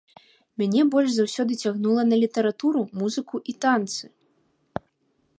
Мяне больш заўсёды цягнула на літаратуру, музыку і танцы.